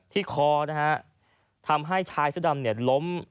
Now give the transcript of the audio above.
คอนะฮะทำให้ชายเสื้อดำเนี่ยล้ม